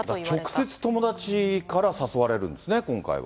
直接、友達から誘われるんですね、今回は。